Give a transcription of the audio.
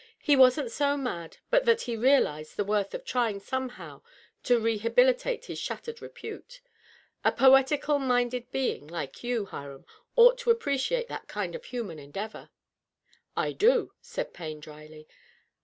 He wasn't so mad but that he realized the worth of trying somehow to rehabilitate his shattered repute. A poetical minded being like you, Hiram, ought to appreciate that kind of human endeavor." " I do," said Payne dryly.